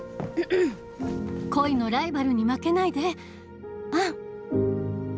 恋のライバルに負けないでアン！